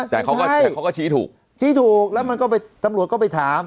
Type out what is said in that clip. แต่เขาก็ชี้ถูกแล้วมันก้ไปตำรวจก็ไปถาม